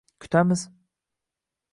Kutamiz